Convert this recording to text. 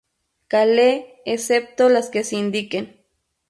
Cale excepto las que se indiquen